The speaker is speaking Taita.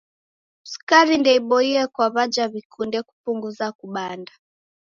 Sukari ndeiboie kwa w'aja w'ikunde kupunguza kubanda.